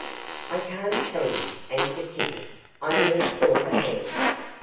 'I can't tell you,' answered Kitty, 'I only saw the hand.